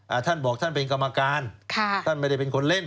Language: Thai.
ท่านบอกท่านเป็นกรรมการค่ะท่านไม่ได้เป็นคนเล่น